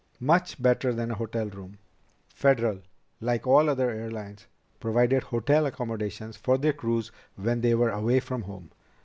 "Much better than a hotel room." Federal, like all other airlines, provided hotel accommodations for their crews when they were away from home.